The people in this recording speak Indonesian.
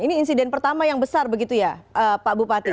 ini insiden pertama yang besar begitu ya pak bupati